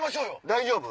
大丈夫？